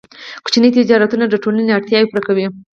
کوچني تجارتونه د ټولنې اړتیاوې پوره کوي.